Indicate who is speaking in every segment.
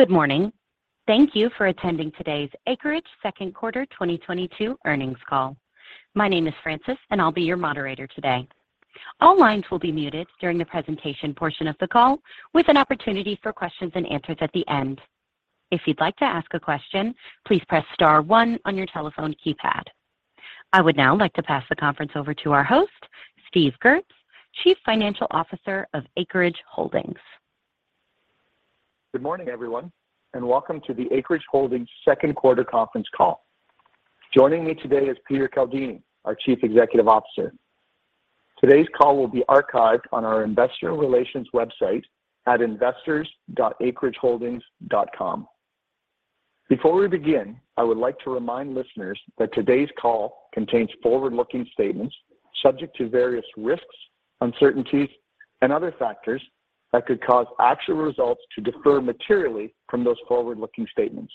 Speaker 1: Good morning. Thank you for attending today's Acreage second quarter 2022 earnings call. My name is Francis, and I'll be your moderator today. All lines will be muted during the presentation portion of the call, with an opportunity for questions and answers at the end. If you'd like to ask a question, please press star one on your telephone keypad. I would now like to pass the conference over to our host, Steve Goertz, Chief Financial Officer of Acreage Holdings.
Speaker 2: Good morning, everyone, and welcome to the Acreage Holdings second quarter conference call. Joining me today is Peter Caldini, our Chief Executive Officer. Today's call will be archived on our investor relations website at investors.acreageholdings.com. Before we begin, I would like to remind listeners that today's call contains forward-looking statements subject to various risks, uncertainties, and other factors that could cause actual results to differ materially from those forward-looking statements.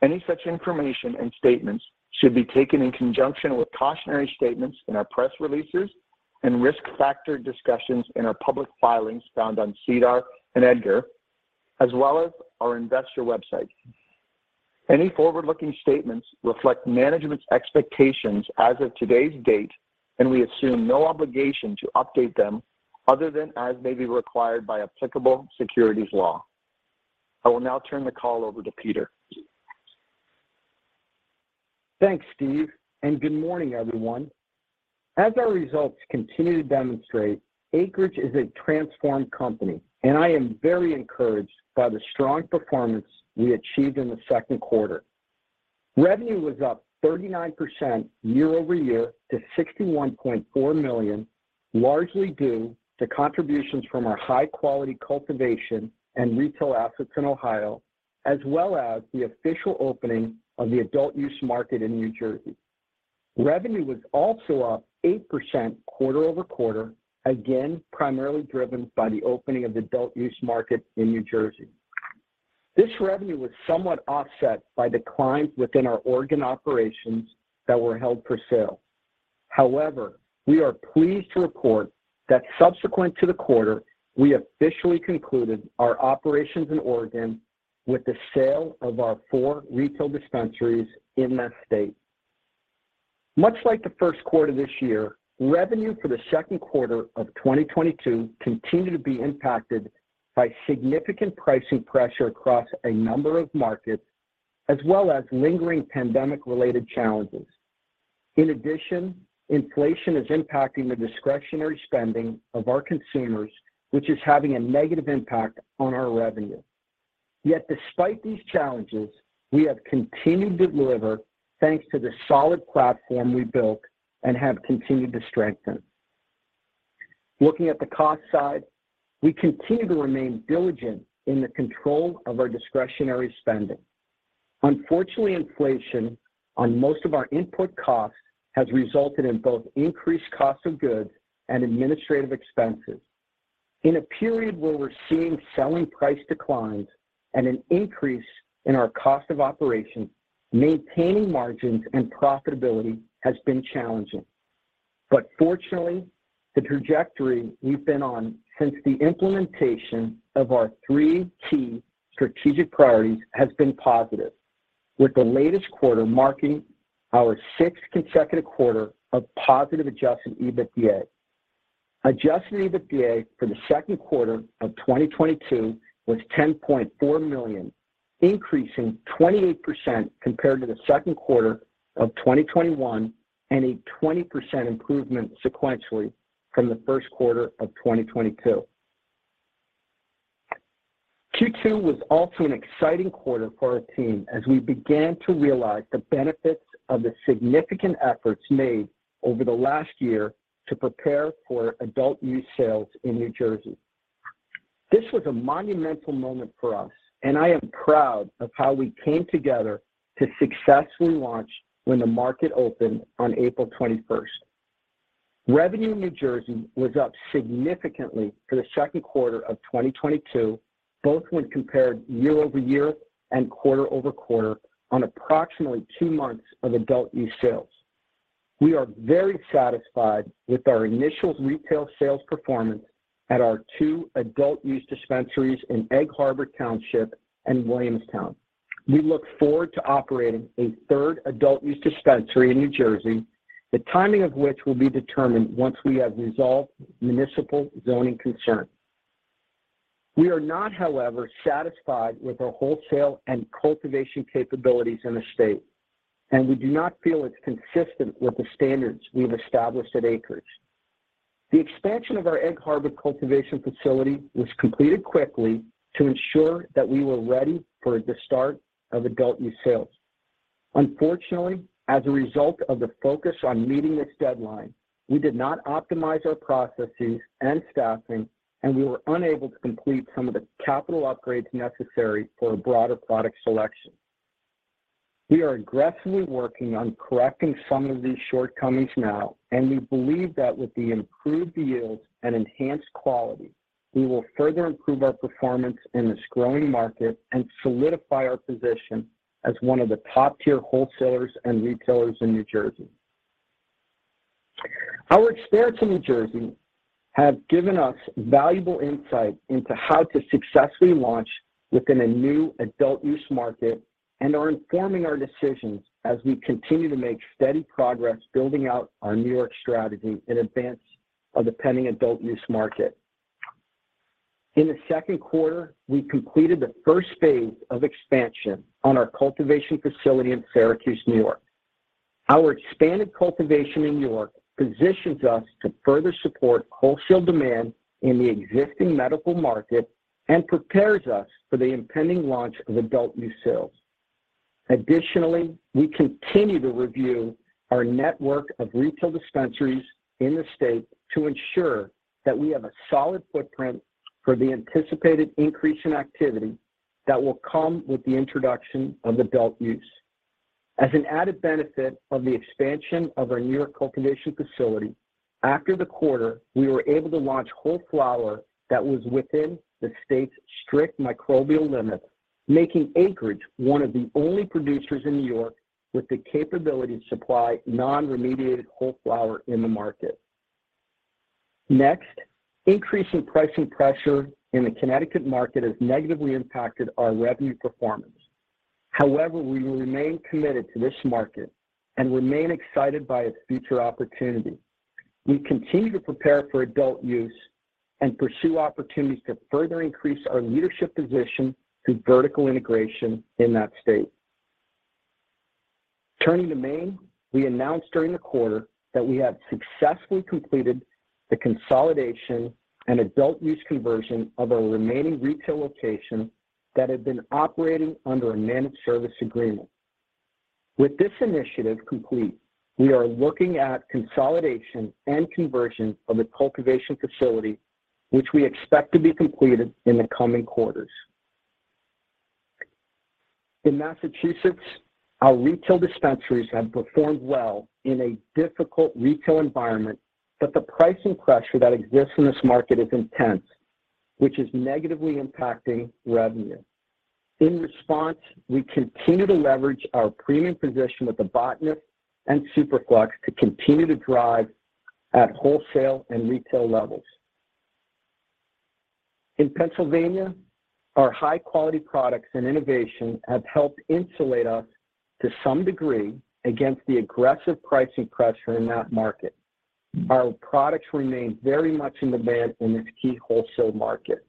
Speaker 2: Any such information and statements should be taken in conjunction with cautionary statements in our press releases and risk factor discussions in our public filings found on SEDAR and EDGAR, as well as our investor website. Any forward-looking statements reflect management's expectations as of today's date, and we assume no obligation to update them other than as may be required by applicable securities law. I will now turn the call over to Peter.
Speaker 3: Thanks, Steve, and good morning, everyone. As our results continue to demonstrate, Acreage is a transformed company, and I am very encouraged by the strong performance we achieved in the second quarter. Revenue was up 39% year-over-year to $61.4 million, largely due to contributions from our high-quality cultivation and retail assets in Ohio, as well as the official opening of the adult use market in New Jersey. Revenue was also up 8% quarter-over-quarter, again, primarily driven by the opening of adult use market in New Jersey. This revenue was somewhat offset by declines within our Oregon operations that were held for sale. However, we are pleased to report that subsequent to the quarter, we officially concluded our operations in Oregon with the sale of our 4 retail dispensaries in that state. Much like the first quarter this year, revenue for the second quarter of 2022 continued to be impacted by significant pricing pressure across a number of markets as well as lingering pandemic-related challenges. In addition, inflation is impacting the discretionary spending of our consumers, which is having a negative impact on our revenue. Yet despite these challenges, we have continued to deliver thanks to the solid platform we built and have continued to strengthen. Looking at the cost side, we continue to remain diligent in the control of our discretionary spending. Unfortunately, inflation on most of our input costs has resulted in both increased cost of goods and administrative expenses. In a period where we're seeing selling price declines and an increase in our cost of operations, maintaining margins and profitability has been challenging. Fortunately, the trajectory we've been on since the implementation of our three key strategic priorities has been positive, with the latest quarter marking our sixth consecutive quarter of positive Adjusted EBITDA. Adjusted EBITDA for the second quarter of 2022 was $10.4 million, increasing 28% compared to the second quarter of 2021 and a 20% improvement sequentially from the first quarter of 2022. Q2 was also an exciting quarter for our team as we began to realize the benefits of the significant efforts made over the last year to prepare for adult use sales in New Jersey. This was a monumental moment for us, and I am proud of how we came together to successfully launch when the market opened on April 21st. Revenue in New Jersey was up significantly for the second quarter of 2022, both when compared year-over-year and quarter-over-quarter on approximately 2 months of adult use sales. We are very satisfied with our initial retail sales performance at our two adult use dispensaries in Egg Harbor Township and Williamstown. We look forward to operating a third adult use dispensary in New Jersey, the timing of which will be determined once we have resolved municipal zoning concerns. We are not, however, satisfied with our wholesale and cultivation capabilities in the state, and we do not feel it's consistent with the standards we have established at Acreage. The expansion of our Egg Harbor cultivation facility was completed quickly to ensure that we were ready for the start of adult use sales. Unfortunately, as a result of the focus on meeting this deadline, we did not optimize our processes and staffing, and we were unable to complete some of the capital upgrades necessary for a broader product selection. We are aggressively working on correcting some of these shortcomings now, and we believe that with the improved yields and enhanced quality, we will further improve our performance in this growing market and solidify our position as one of the top-tier wholesalers and retailers in New Jersey. Our experience in New Jersey has given us valuable insight into how to successfully launch within a new adult use market and are informing our decisions as we continue to make steady progress building out our New York strategy in advance of the pending adult use market. In the second quarter, we completed the first phase of expansion on our cultivation facility in Syracuse, New York. Our expanded cultivation in New York positions us to further support wholesale demand in the existing medical market and prepares us for the impending launch of adult use sales. Additionally, we continue to review our network of retail dispensaries in the state to ensure that we have a solid footprint for the anticipated increase in activity that will come with the introduction of adult use. As an added benefit of the expansion of our New York cultivation facility, after the quarter, we were able to launch whole flower that was within the state's strict microbial limits, making Acreage one of the only producers in New York with the capability to supply non-remediated whole flower in the market. Next, increasing pricing pressure in the Connecticut market has negatively impacted our revenue performance. However, we remain committed to this market and remain excited by its future opportunity. We continue to prepare for adult use and pursue opportunities to further increase our leadership position through vertical integration in that state. Turning to Maine, we announced during the quarter that we have successfully completed the consolidation and adult use conversion of our remaining retail location that had been operating under a managed service agreement. With this initiative complete, we are looking at consolidation and conversion of a cultivation facility which we expect to be completed in the coming quarters. In Massachusetts, our retail dispensaries have performed well in a difficult retail environment, but the pricing pressure that exists in this market is intense, which is negatively impacting revenue. In response, we continue to leverage our premium position with The Botanist and Superflux to continue to drive at wholesale and retail levels. In Pennsylvania, our high-quality products and innovation have helped insulate us, to some degree, against the aggressive pricing pressure in that market. Our products remain very much in demand in this key wholesale market.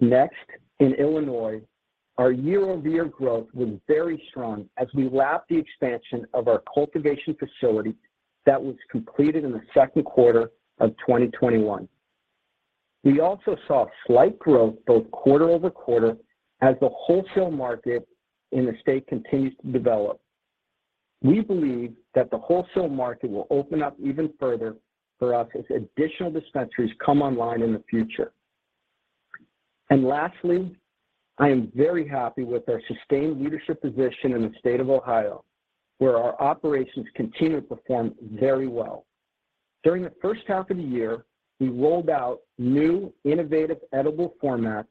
Speaker 3: Next, in Illinois, our year-over-year growth was very strong as we lapped the expansion of our cultivation facility that was completed in the second quarter of 2021. We also saw slight growth both quarter-over-quarter as the wholesale market in the state continues to develop. We believe that the wholesale market will open up even further for us as additional dispensaries come online in the future. Lastly, I am very happy with our sustained leadership position in the state of Ohio, where our operations continue to perform very well. During the first half of the year, we rolled out new innovative edible formats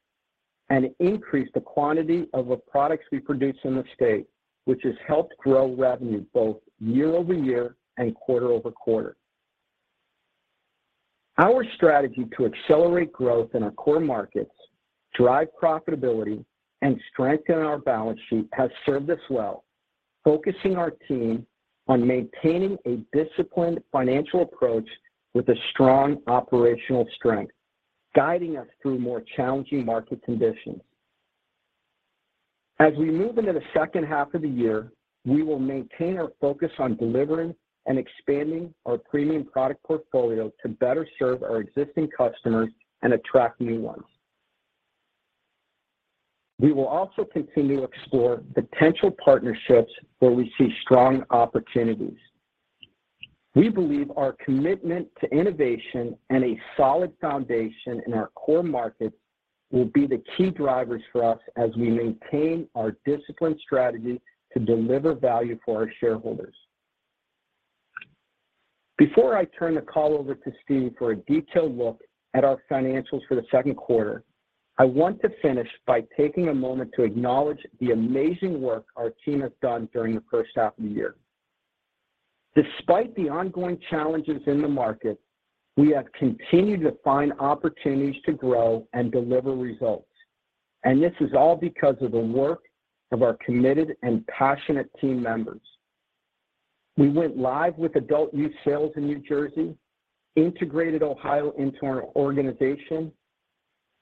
Speaker 3: and increased the quantity of the products we produce in the state, which has helped grow revenue both year-over-year and quarter-over-quarter. Our strategy to accelerate growth in our core markets, drive profitability, and strengthen our balance sheet has served us well, focusing our team on maintaining a disciplined financial approach with a strong operational strength, guiding us through more challenging market conditions. As we move into the second half of the year, we will maintain our focus on delivering and expanding our premium product portfolio to better serve our existing customers and attract new ones. We will also continue to explore potential partnerships where we see strong opportunities. We believe our commitment to innovation and a solid foundation in our core markets will be the key drivers for us as we maintain our disciplined strategy to deliver value for our shareholders. Before I turn the call over to Steve for a detailed look at our financials for the second quarter, I want to finish by taking a moment to acknowledge the amazing work our team has done during the first half of the year. Despite the ongoing challenges in the market, we have continued to find opportunities to grow and deliver results, and this is all because of the work of our committed and passionate team members. We went live with adult use sales in New Jersey, integrated Ohio into our organization,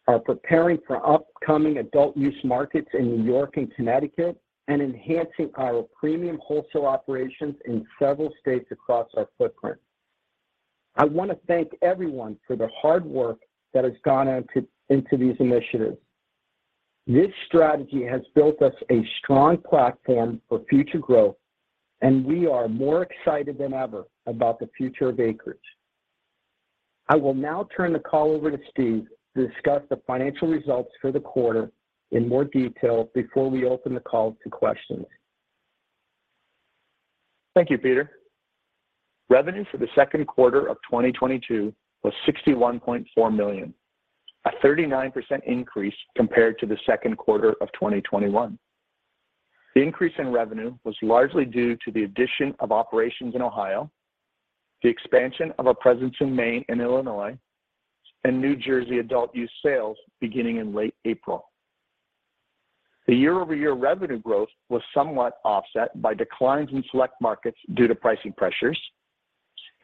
Speaker 3: are preparing for upcoming adult use markets in New York and Connecticut, and enhancing our premium wholesale operations in several states across our footprint. I want to thank everyone for the hard work that has gone into these initiatives. This strategy has built us a strong platform for future growth, and we are more excited than ever about the future of Acreage. I will now turn the call over to Steve to discuss the financial results for the quarter in more detail before we open the call to questions.
Speaker 2: Thank you, Peter. Revenue for the second quarter of 2022 was $61.4 million, a 39% increase compared to the second quarter of 2021. The increase in revenue was largely due to the addition of operations in Ohio, the expansion of our presence in Maine and Illinois, and New Jersey adult use sales beginning in late April. The year-over-year revenue growth was somewhat offset by declines in select markets due to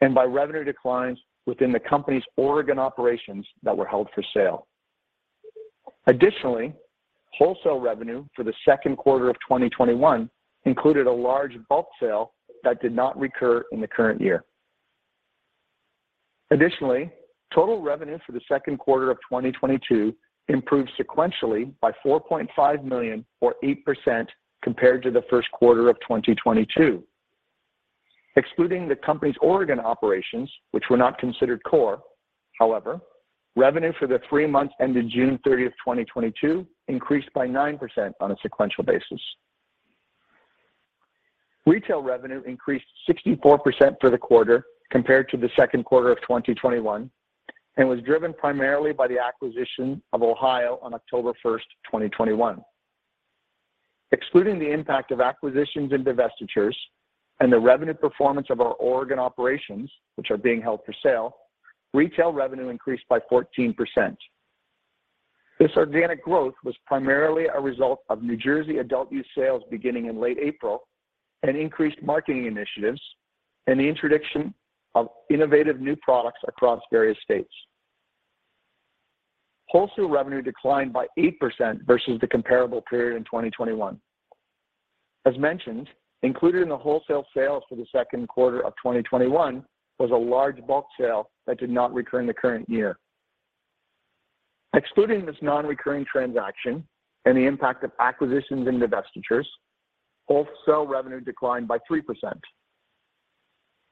Speaker 2: pricing pressures and by revenue declines within the company's Oregon operations that were held for sale. Additionally, wholesale revenue for the second quarter of 2021 included a large bulk sale that did not recur in the current year. Additionally, total revenue for the second quarter of 2022 improved sequentially by $4.5 million or 8% compared to the first quarter of 2022. Excluding the company's Oregon operations, which were not considered core, however, revenue for the three months ended June 30, 2022 increased by 9% on a sequential basis. Retail revenue increased 64% for the quarter compared to the second quarter of 2021 and was driven primarily by the acquisition of Ohio on October 1, 2021. Excluding the impact of acquisitions and divestitures and the revenue performance of our Oregon operations, which are being held for sale, retail revenue increased by 14%. This organic growth was primarily a result of New Jersey adult use sales beginning in late April and increased marketing initiatives and the introduction of innovative new products across various states. Wholesale revenue declined by 8% versus the comparable period in 2021. As mentioned, included in the wholesale sales for the second quarter of 2021 was a large bulk sale that did not recur in the current year. Excluding this non-recurring transaction and the impact of acquisitions and divestitures, wholesale revenue declined by 3%.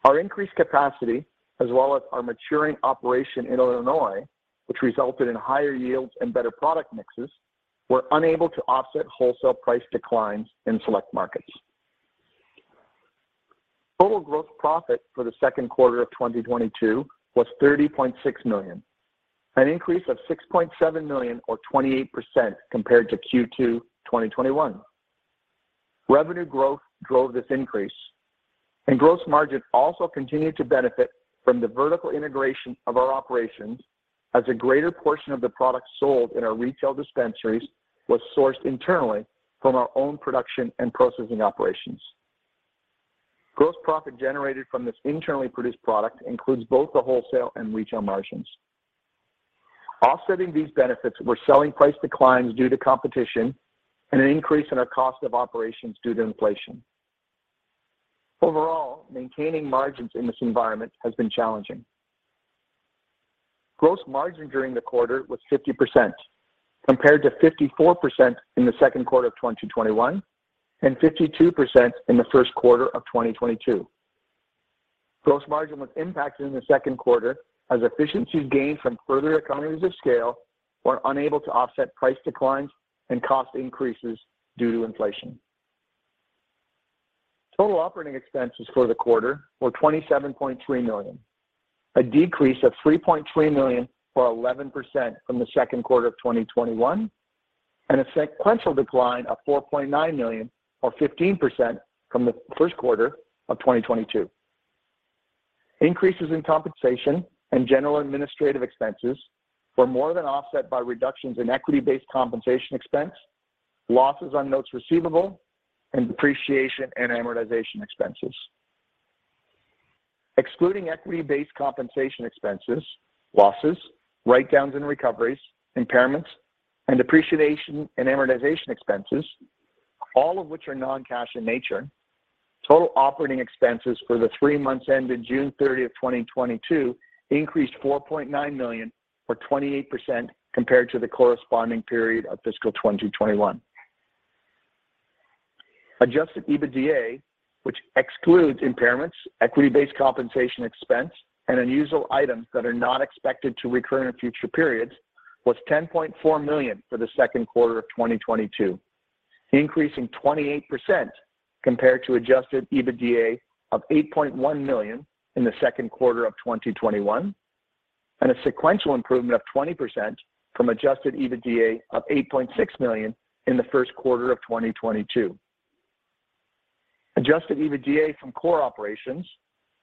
Speaker 2: Our increased capacity as well as our maturing operation in Illinois, which resulted in higher yields and better product mixes, were unable to offset wholesale price declines in select markets. Total gross profit for the second quarter of 2022 was $30.6 million, an increase of $6.7 million or 28% compared to Q2 2021. Revenue growth drove this increase, and gross margin also continued to benefit from the vertical integration of our operations as a greater portion of the product sold in our retail dispensaries was sourced internally from our own production and processing operations. Gross profit generated from this internally produced product includes both the wholesale and retail margins. Offsetting these benefits were selling price declines due to competition and an increase in our cost of operations due to inflation. Overall, maintaining margins in this environment has been challenging. Gross margin during the quarter was 50% compared to 54% in the second quarter of 2021 and 52% in the first quarter of 2022. Gross margin was impacted in the second quarter as efficiencies gained from further economies of scale were unable to offset price declines and cost increases due to inflation. Total operating expenses for the quarter were $27.3 million, a decrease of $3.3 million, or 11% from the second quarter of 2021, and a sequential decline of $4.9 million or 15% from the first quarter of 2022. Increases in compensation and general administrative expenses were more than offset by reductions in equity-based compensation expense, losses on notes receivable, and depreciation and amortization expenses. Excluding equity-based compensation expenses, losses, write-downs and recoveries, impairments, and depreciation and amortization expenses, all of which are non-cash in nature, total operating expenses for the three months ended June 30, 2022 increased $4.9 million or 28% compared to the corresponding period of fiscal 2021. Adjusted EBITDA, which excludes impairments, equity-based compensation expense, and unusual items that are not expected to recur in future periods, was $10.4 million for the second quarter of 2022, increasing 28% compared to adjusted EBITDA of $8.1 million in the second quarter of 2021, and a sequential improvement of 20% from adjusted EBITDA of $8.6 million in the first quarter of 2022. Adjusted EBITDA from core operations,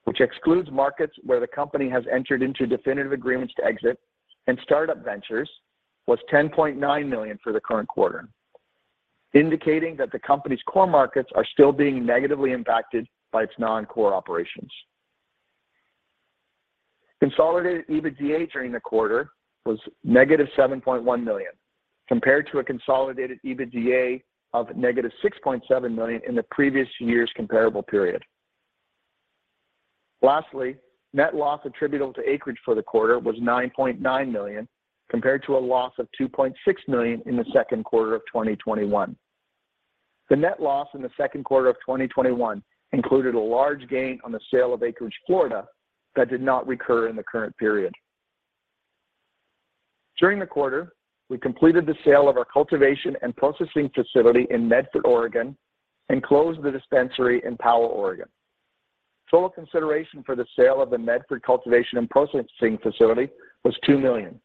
Speaker 2: which excludes markets where the company has entered into definitive agreements to exit and start-up ventures, was $10.9 million for the current quarter, indicating that the company's core markets are still being negatively impacted by its non-core operations. Consolidated EBITDA during the quarter was -$7.1 million, compared to a consolidated EBITDA of -$6.7 million in the previous year's comparable period. Lastly, net loss attributable to Acreage for the quarter was $9.9 million, compared to a loss of $2.6 million in the second quarter of 2021. The net loss in the second quarter of 2021 included a large gain on the sale of Acreage Florida that did not recur in the current period. During the quarter, we completed the sale of our cultivation and processing facility in Medford, Oregon, and closed the dispensary in Powell, Oregon. Total consideration for the sale of the Medford cultivation and processing facility was $2 million,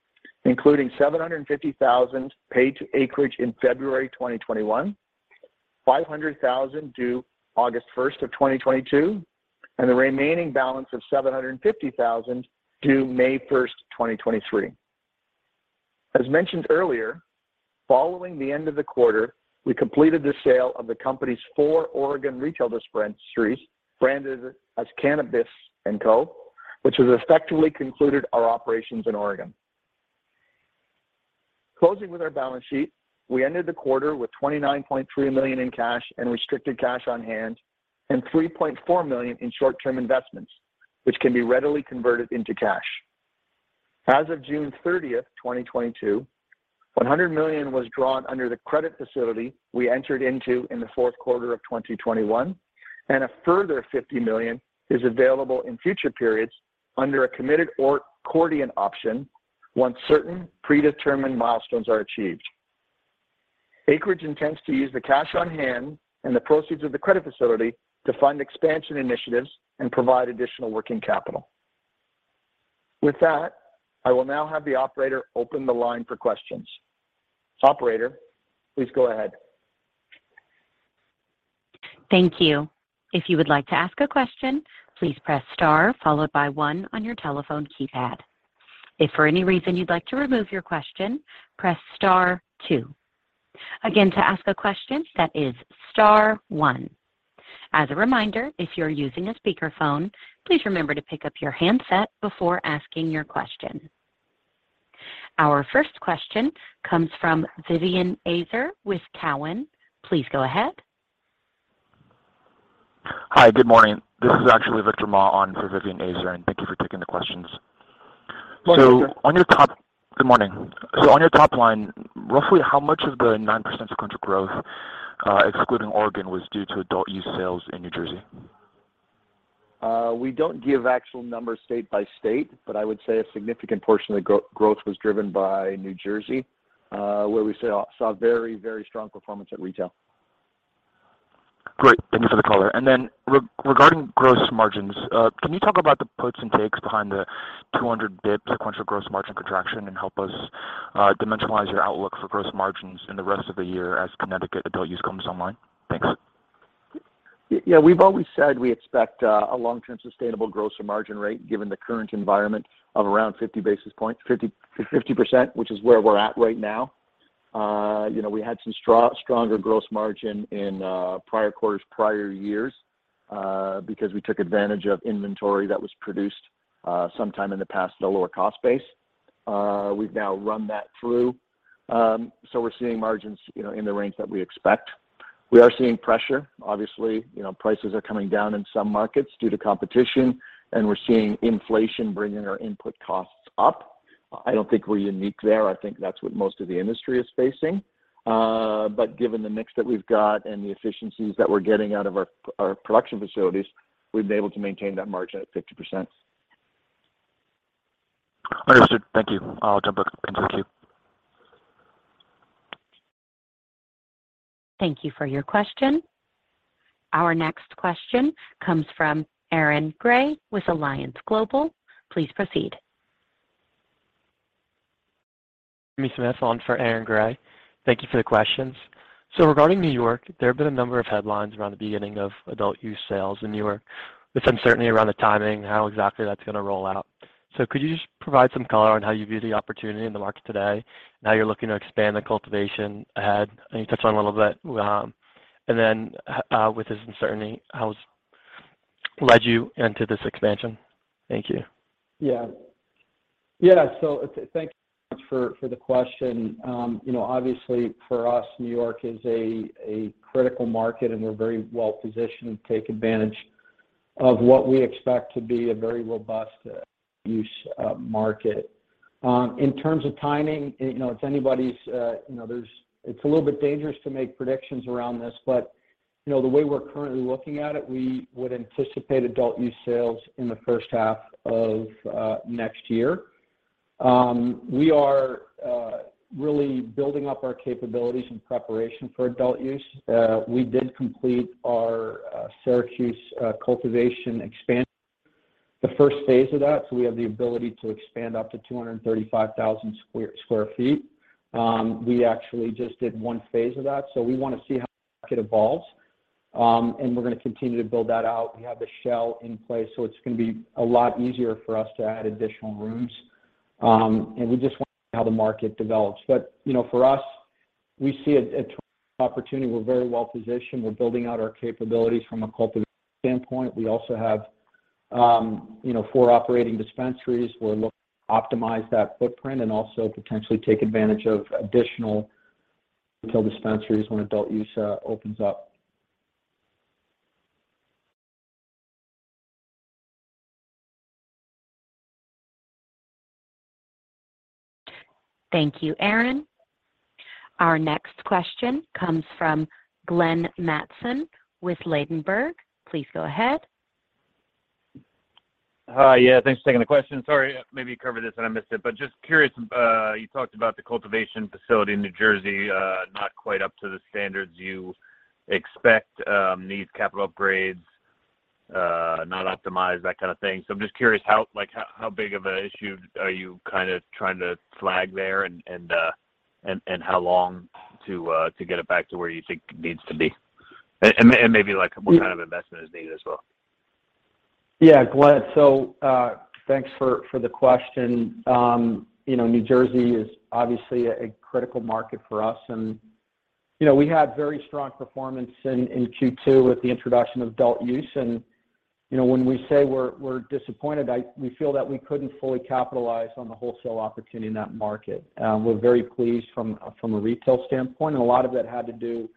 Speaker 2: including $750,000 paid to Acreage in February 2021, $500,000 due August 1, 2022, and the remaining balance of $750,000 due May 1, 2023. As mentioned earlier, following the end of the quarter, we completed the sale of the company's four Oregon retail dispensaries branded as Cannabliss & Co., which has effectively concluded our operations in Oregon. Closing with our balance sheet, we ended the quarter with $29.3 million in cash and restricted cash on hand and $3.4 million in short-term investments, which can be readily converted into cash. As of June 30, 2022, $100 million was drawn under the credit facility we entered into in the fourth quarter of 2021, and a further $50 million is available in future periods under a committed or accordion option once certain predetermined milestones are achieved. Acreage intends to use the cash on hand and the proceeds of the credit facility to fund expansion initiatives and provide additional working capital. With that, I will now have the operator open the line for questions. Operator, please go ahead.
Speaker 1: Thank you. If you would like to ask a question, please press star followed by one on your telephone keypad. If for any reason you'd like to remove your question, press star two. Again, to ask a question, that is star one. As a reminder, if you're using a speakerphone, please remember to pick up your handset before asking your question. Our first question comes from Vivien Azer with Cowen. Please go ahead.
Speaker 4: Hi. Good morning. This is actually Victor Ma on for Vivien Azer, and thank you for taking the questions.
Speaker 2: Good morning, Victor.
Speaker 4: Good morning. On your top line, roughly how much of the 9% sequential growth, excluding Oregon, was due to adult use sales in New Jersey?
Speaker 2: We don't give actual numbers state by state, but I would say a significant portion of the growth was driven by New Jersey, where we saw very, very strong performance at retail.
Speaker 4: Great. Thank you for the color. Regarding gross margins, can you talk about the puts and takes behind the 200 basis point sequential gross margin contraction and help us dimensionalize your outlook for gross margins in the rest of the year as Connecticut adult use comes online? Thanks.
Speaker 2: Yeah, we've always said we expect a long-term sustainable gross margin rate given the current environment of around 50 basis points, 50%, which is where we're at right now. You know, we had some stronger gross margin in prior quarters, prior years, because we took advantage of inventory that was produced sometime in the past at a lower cost base. We've now run that through, so we're seeing margins, you know, in the range that we expect. We are seeing pressure. Obviously, you know, prices are coming down in some markets due to competition, and we're seeing inflation bringing our input costs up. I don't think we're unique there. I think that's what most of the industry is facing. Given the mix that we've got and the efficiencies that we're getting out of our production facilities, we've been able to maintain that margin at 50%.
Speaker 4: Understood. Thank you. I'll jump back into the queue.
Speaker 1: Thank you for your question. Our next question comes from Aaron Grey with Alliance Global. Please proceed.
Speaker 5: Jimmy Smith on for Aaron Grey. Thank you for the questions. Regarding New York, there have been a number of headlines around the beginning of adult use sales in New York with uncertainty around the timing, how exactly that's gonna roll out. Could you just provide some color on how you view the opportunity in the market today, how you're looking to expand the cultivation ahead? I know you touched on it a little bit. With this uncertainty, how that's led you into this expansion? Thank you.
Speaker 3: Yeah. Thank you so much for the question. You know, obviously for us, New York is a critical market, and we're very well-positioned to take advantage of what we expect to be a very robust adult-use market. In terms of timing, you know, it's anybody's, you know, it's a little bit dangerous to make predictions around this. You know, the way we're currently looking at it, we would anticipate adult-use sales in the first half of next year. We are really building up our capabilities in preparation for adult use. We did complete our Syracuse cultivation expansion, the first phase of that. We have the ability to expand up to 235,000 sq ft. We actually just did one phase of that, so we wanna see how the market evolves. We're gonna continue to build that out. We have the shell in place, so it's gonna be a lot easier for us to add additional rooms. We just wanna see how the market develops. You know, for us, we see a tremendous opportunity. We're very well-positioned. We're building out our capabilities from a cultivation standpoint. We also have, you know, four operating dispensaries. We're looking to optimize that footprint and also potentially take advantage of additional retail dispensaries when adult use opens up.
Speaker 1: Thank you, Aaron. Our next question comes from Glenn Mattson with Ladenburg Thalmann. Please go ahead.
Speaker 6: Hi. Yeah, thanks for taking the question. Sorry, maybe you covered this and I missed it, but just curious, you talked about the cultivation facility in New Jersey, not quite up to the standards you expect, needs capital upgrades, not optimized, that kind of thing. I'm just curious how like how big of a issue are you kind of trying to flag there and how long to get it back to where you think it needs to be? And maybe like what kind of investment is needed as well?
Speaker 3: Thanks for the question. You know, New Jersey is obviously a critical market for us, and you know, we had very strong performance in Q2 with the introduction of adult use. You know, when we say we're disappointed, we feel that we couldn't fully capitalize on the wholesale opportunity in that market. We're very pleased from a retail standpoint, and a lot of that had to do,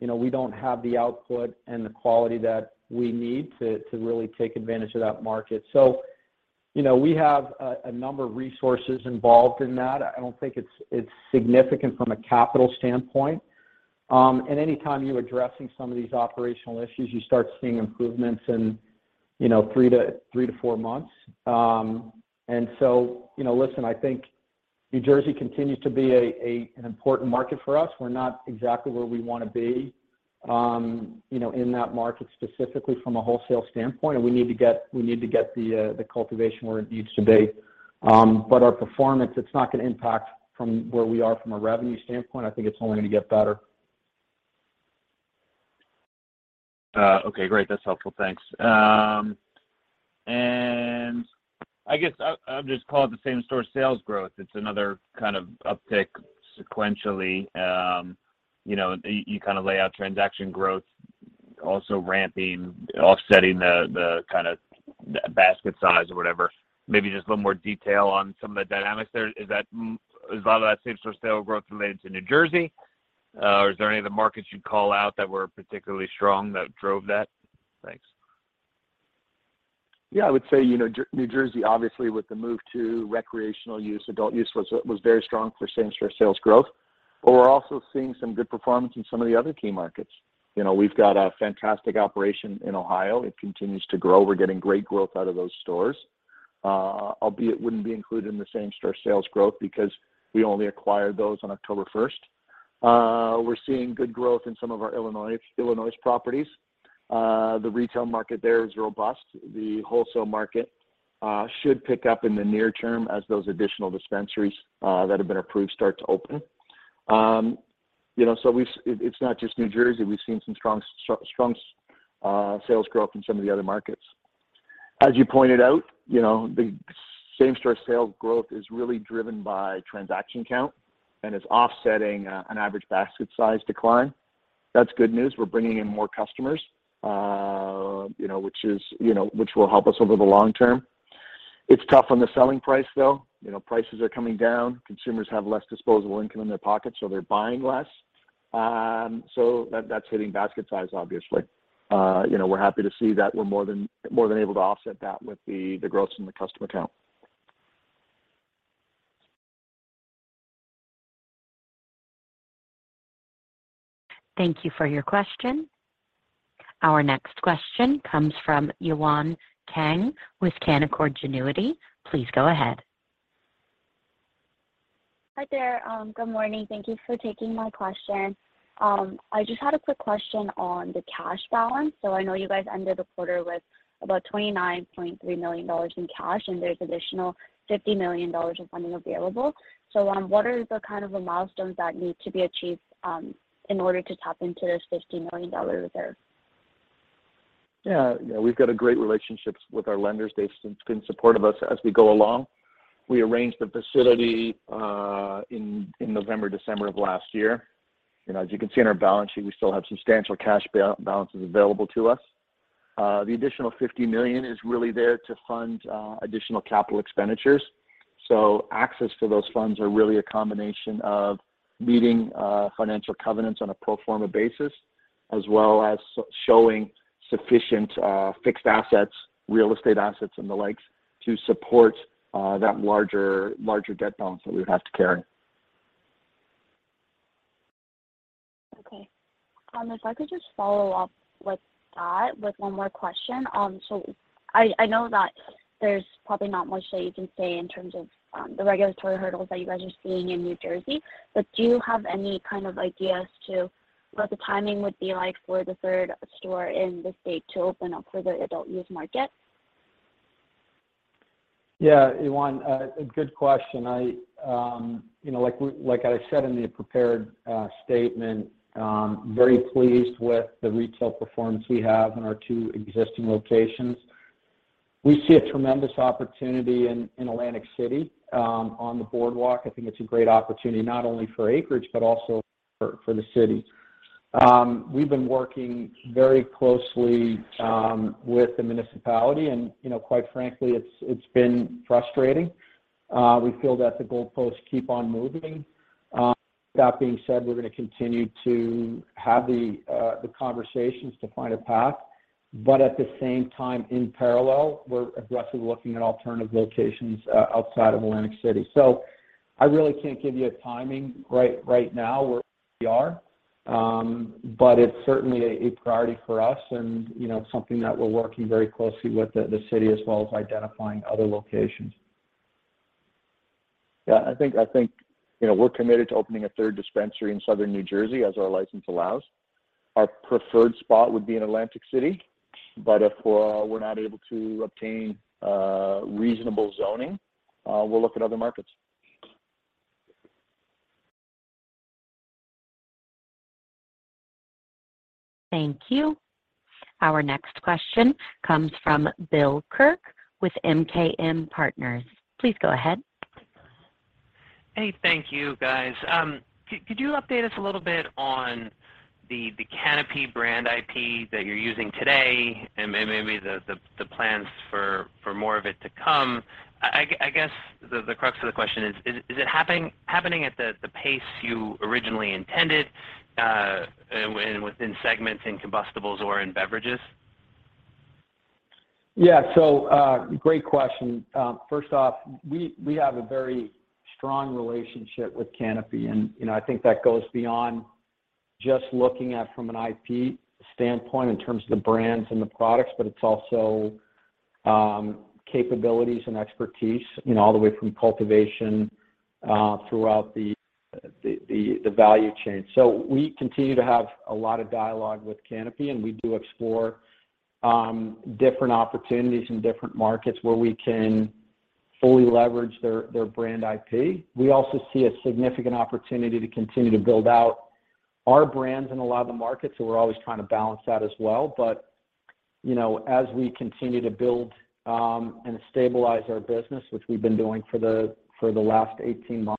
Speaker 3: you know, we don't have the output and the quality that we need to really take advantage of that market. You know, we have a number of resources involved in that. I don't think it's significant from a capital standpoint. Any time you're addressing some of these operational issues, you start seeing improvements in, you know, three to four months. You know, listen, I think New Jersey continues to be an important market for us. We're not exactly where we wanna be, you know, in that market specifically from a wholesale standpoint, and we need to get the cultivation where it needs to be. Our performance, it's not gonna impact from where we are from a revenue standpoint. I think it's only gonna get better.
Speaker 6: Okay, great. That's helpful. Thanks. I guess I'll just call it the same-store sales growth. It's another kind of uptick sequentially. You know, you kind of lay out transaction growth also ramping, offsetting the kind of basket size or whatever. Maybe just a little more detail on some of the dynamics there. Is a lot of that same-store sales growth related to New Jersey? Is there any of the markets you'd call out that were particularly strong that drove that? Thanks.
Speaker 2: Yeah, I would say, you know, New Jersey obviously with the move to recreational use, adult use was very strong for same-store sales growth, but we're also seeing some good performance in some of the other key markets. You know, we've got a fantastic operation in Ohio. It continues to grow. We're getting great growth out of those stores. Albeit wouldn't be included in the same-store sales growth because we only acquired those on October first. We're seeing good growth in some of our Illinois properties. The retail market there is robust. The wholesale market should pick up in the near term as those additional dispensaries that have been approved start to open. You know, it's not just New Jersey. We've seen some strong sales growth in some of the other markets. As you pointed out, you know, the same-store sales growth is really driven by transaction count and is offsetting an average basket size decline. That's good news. We're bringing in more customers, you know, which is, you know, which will help us over the long term. It's tough on the selling price, though. You know, prices are coming down. Consumers have less disposable income in their pockets, so they're buying less. So that's hitting basket size obviously. You know, we're happy to see that we're more than able to offset that with the growth in the customer count.
Speaker 1: Thank you for your question. Our next question comes from Yewon Kang with Canaccord Genuity. Please go ahead.
Speaker 7: Hi there. Good morning. Thank you for taking my question. I just had a quick question on the cash balance. I know you guys ended the quarter with about $29.3 million in cash, and there's additional $50 million in funding available. What are the kind of milestones that need to be achieved, in order to tap into this $50 million dollar reserve?
Speaker 2: We've got a great relationships with our lenders. They've been supportive of us as we go along. We arranged the facility in November, December of last year, and as you can see in our balance sheet, we still have substantial cash balances available to us. The additional $50 million is really there to fund additional capital expenditures. Access to those funds are really a combination of meeting financial covenants on a pro forma basis, as well as showing sufficient fixed assets, real estate assets and the likes, to support that larger debt balance that we would have to carry.
Speaker 7: Okay. If I could just follow up with that one more question. I know that there's probably not much that you can say in terms of the regulatory hurdles that you guys are seeing in New Jersey, but do you have any kind of idea as to what the timing would be like for the third store in the state to open up for the adult use market?
Speaker 3: Yeah, Yewon, a good question. I, you know, like I said in the prepared statement, very pleased with the retail performance we have in our two existing locations. We see a tremendous opportunity in Atlantic City, on the boardwalk. I think it's a great opportunity not only for Acreage, but also for the city. We've been working very closely with the municipality and, you know, quite frankly, it's been frustrating. We feel that the goalposts keep on moving. That being said, we're gonna continue to have the conversations to find a path, but at the same time, in parallel, we're aggressively looking at alternative locations outside of Atlantic City. I really can't give you a timing right now where we are, but it's certainly a priority for us and, you know, something that we're working very closely with the city as well as identifying other locations.
Speaker 2: Yeah, I think, you know, we're committed to opening a third dispensary in Southern New Jersey as our license allows. Our preferred spot would be in Atlantic City, but if we're not able to obtain reasonable zoning, we'll look at other markets.
Speaker 1: Thank you. Our next question comes from Bill Kirk with MKM Partners. Please go ahead.
Speaker 8: Hey, thank you, guys. Could you update us a little bit on the Canopy brand IP that you're using today and maybe the plans for more of it to come? I guess the crux of the question is it happening at the pace you originally intended, and within segments in combustibles or in beverages?
Speaker 3: Yeah. Great question. First off, we have a very strong relationship with Canopy, and, you know, I think that goes beyond just looking at from an IP standpoint in terms of the brands and the products, but it's also capabilities and expertise, you know, all the way from cultivation throughout the value chain. We continue to have a lot of dialogue with Canopy, and we do explore different opportunities in different markets where we can fully leverage their brand IP. We also see a significant opportunity to continue to build out our brands in a lot of the markets, so we're always trying to balance that as well. You know, as we continue to build and stabilize our business, which we've been doing for the last 18 months,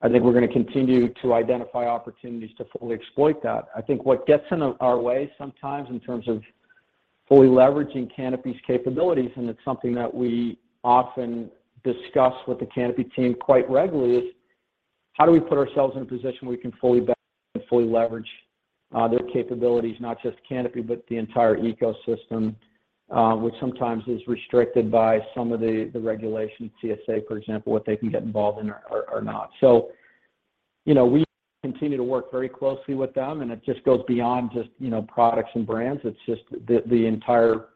Speaker 3: I think we're gonna continue to identify opportunities to fully exploit that. I think what gets in our way sometimes in terms of fully leveraging Canopy's capabilities, and it's something that we often discuss with the Canopy team quite regularly, is how do we put ourselves in a position where we can fully leverage their capabilities, not just Canopy, but the entire ecosystem, which sometimes is restricted by some of the regulations, TSX for example, what they can get involved in or not. You know, we continue to work very closely with them, and it just goes beyond just products and brands. It's just the entire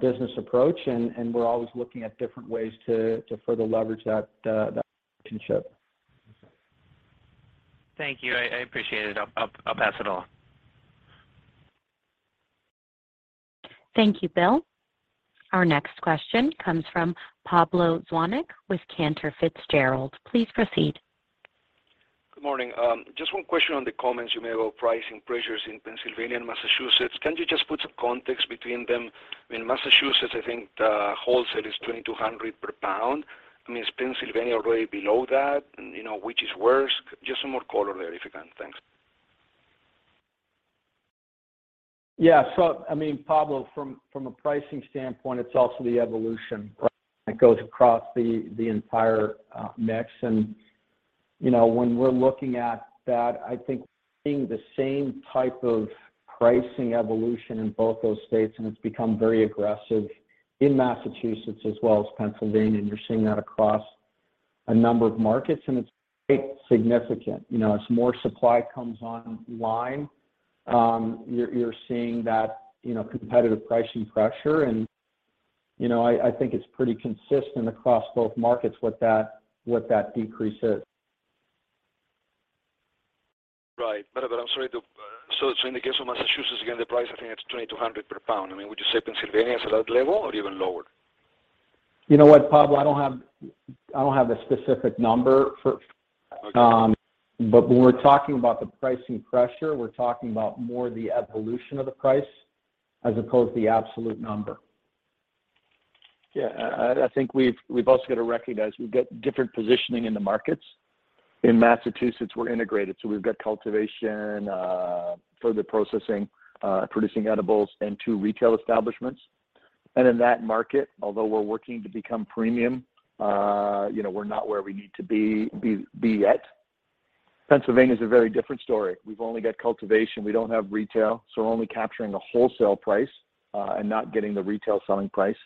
Speaker 3: business approach, and we're always looking at different ways to further leverage that partnership.
Speaker 8: Thank you. I appreciate it. I'll pass it on.
Speaker 1: Thank you, Bill. Our next question comes from Pablo Zuanic with Cantor Fitzgerald. Please proceed.
Speaker 9: Good morning. Just one question on the comments you made about pricing pressures in Pennsylvania and Massachusetts. Can you just put some context between them? I mean, Massachusetts, I think the wholesale is $2,200 per pound. I mean, is Pennsylvania already below that? You know, which is worse? Just some more color there if you can. Thanks.
Speaker 3: Yeah. I mean, Pablo, from a pricing standpoint, it's also the evolution, right? It goes across the entire mix. You know, when we're looking at that, I think we're seeing the same type of pricing evolution in both those states, and it's become very aggressive in Massachusetts as well as Pennsylvania, and you're seeing that across a number of markets, and it's quite significant. You know, as more supply comes online, you're seeing that, you know, competitive pricing pressure. You know, I think it's pretty consistent across both markets what that decrease is.
Speaker 9: Right. I'm sorry. In the case of Massachusetts, again, the price I think it's $2,200 per pound. I mean, would you say Pennsylvania is at that level or even lower?
Speaker 3: You know what, Pablo? I don't have a specific number for.
Speaker 9: Okay.
Speaker 3: When we're talking about the pricing pressure, we're talking about more the evolution of the price as opposed to the absolute number.
Speaker 2: Yeah. I think we've also got to recognize we've got different positioning in the markets. In Massachusetts, we're integrated, so we've got cultivation, further processing, producing edibles and two retail establishments. In that market, although we're working to become premium, you know, we're not where we need to be yet. Pennsylvania is a very different story. We've only got cultivation. We don't have retail, so we're only capturing a wholesale price, and not getting the retail selling price.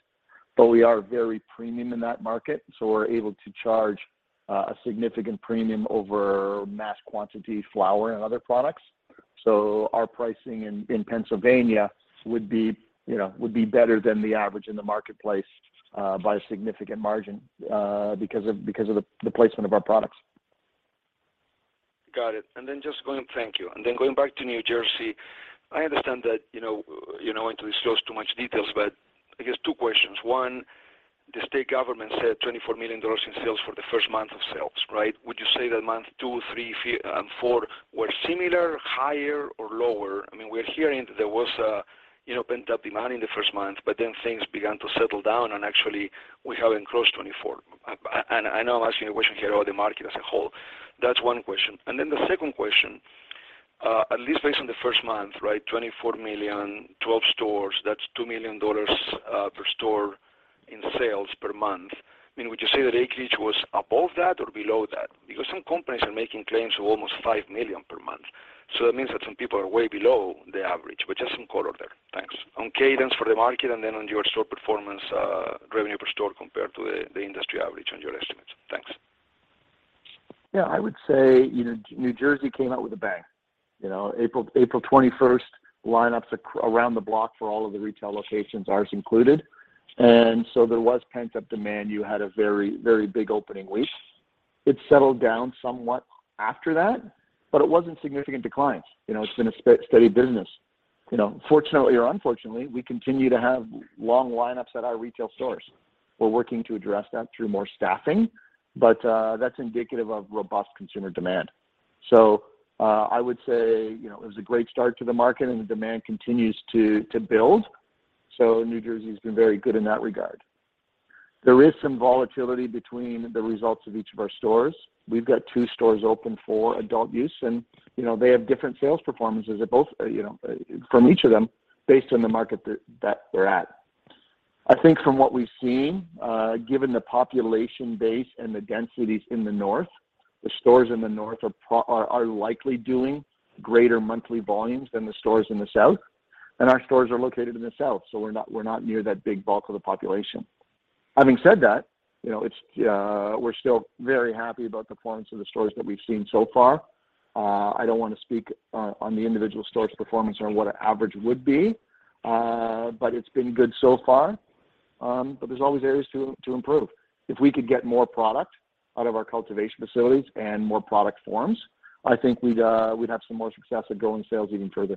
Speaker 2: We are very premium in that market, so we're able to charge a significant premium over mass quantity flower and other products. Our pricing in Pennsylvania would be, you know, would be better than the average in the marketplace, by a significant margin, because of the placement of our products.
Speaker 9: Got it. Thank you. Going back to New Jersey, I understand that, you know, you're not going to disclose too much details, but I guess two questions. One, the state government said $24 million in sales for the first month of sales, right? Would you say that month two, three, four were similar, higher, or lower? I mean, we're hearing that there was a, you know, pent-up demand in the first month, but then things began to settle down and actually we haven't crossed 24. I know I'm asking a question here about the market as a whole. That's one question. The second question, at least based on the first month, right, $24 million, 12 stores, that's $2 million per store in sales per month. I mean, would you say that Acreage was above that or below that? Because some companies are making claims of almost $5 million per month. So that means that some people are way below the average, but just some color there. Thanks. On cadence for the market and then on your store performance, revenue per store compared to the industry average on your estimates. Thanks.
Speaker 2: Yeah, I would say, you know, New Jersey came out with a bang. You know, April 21st, lineups around the block for all of the retail locations, ours included. There was pent-up demand. You had a very, very big opening week. It settled down somewhat after that, but it wasn't significant declines. You know, it's been a steady business. You know, fortunately or unfortunately, we continue to have long lineups at our retail stores. We're working to address that through more staffing, but that's indicative of robust consumer demand. I would say, you know, it was a great start to the market and the demand continues to build. New Jersey has been very good in that regard. There is some volatility between the results of each of our stores. We've got two stores open for adult use and, you know, they have different sales performances at both, you know, from each of them based on the market that they're at. I think from what we've seen, given the population base and the densities in the north, the stores in the north are likely doing greater monthly volumes than the stores in the south, and our stores are located in the south, so we're not near that big bulk of the population. Having said that, you know, we're still very happy about the performance of the stores that we've seen so far. I don't want to speak on the individual stores' performance or what an average would be, but it's been good so far. There's always areas to improve. If we could get more product out of our cultivation facilities and more product forms, I think we'd have some more success at growing sales even further.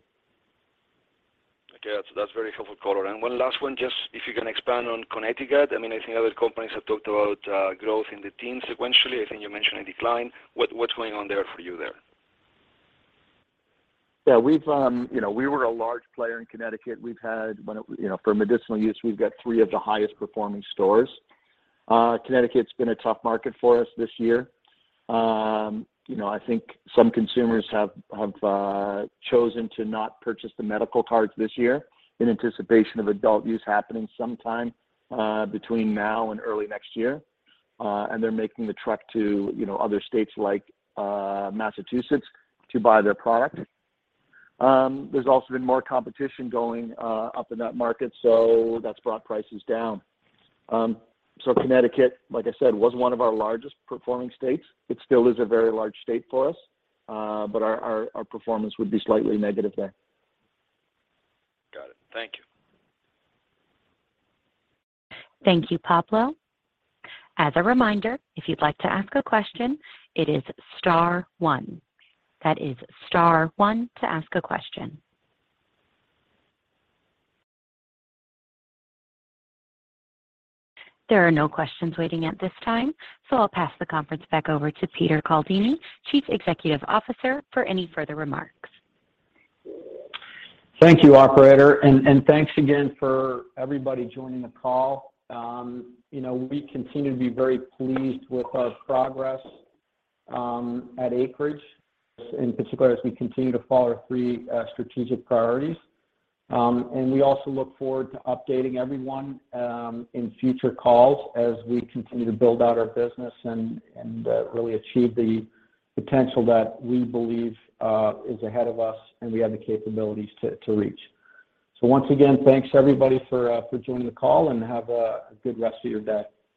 Speaker 9: Okay. That's very helpful color. One last one, just if you can expand on Connecticut. I mean, I think other companies have talked about growth in the teens sequentially. I think you mentioned a decline. What's going on there for you there?
Speaker 2: Yeah, we've you know we were a large player in Connecticut. We've had you know for medicinal use, we've got three of the highest performing stores. Connecticut's been a tough market for us this year. You know, I think some consumers have chosen to not purchase the medical cards this year in anticipation of adult use happening sometime between now and early next year. And they're making the trek to you know other states like Massachusetts to buy their product. There's also been more competition going up in that market, so that's brought prices down. Connecticut, like I said, was one of our largest performing states. It still is a very large state for us, but our performance would be slightly negative there.
Speaker 9: Got it. Thank you.
Speaker 1: Thank you, Pablo. As a reminder, if you'd like to ask a question, it is star one. That is star one to ask a question. There are no questions waiting at this time, so I'll pass the conference back over to Peter Caldini, Chief Executive Officer, for any further remarks.
Speaker 3: Thank you, operator, and thanks again for everybody joining the call. You know, we continue to be very pleased with our progress at Acreage, in particular as we continue to follow our three strategic priorities. We also look forward to updating everyone in future calls as we continue to build out our business and really achieve the potential that we believe is ahead of us and we have the capabilities to reach. Once again, thanks everybody for joining the call, and have a good rest of your day.